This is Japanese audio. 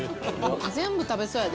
全部食べそうやで。